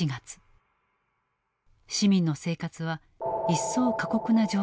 市民の生活は一層過酷な状況となっていた。